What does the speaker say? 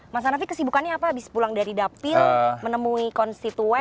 mas hanafi kesibukannya apa abis pulang dari dapil menemui konstituen